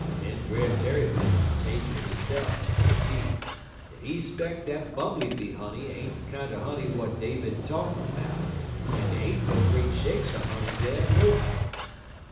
Den Brer Tarrypin say to hisse'f, sezee, dat he 'speck dat bumbly bee honey ain't de kinder honey w'at dey been talkin' 'bout, en dey ain't no great shakes er honey dar nohow.